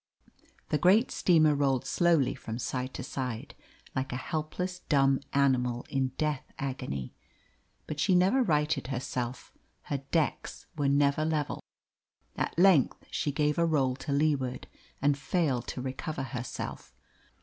The great steamer rolled slowly from side to side, like a helpless dumb animal in death agony, but she never righted herself, her decks were never level. At length she gave a roll to leeward and failed to recover herself.